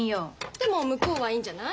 でも向こうはいいんじゃない？